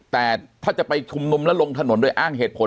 แต่ถ้าจะไปชุมนุมแล้วลงถนนโดยอ้างเหตุผล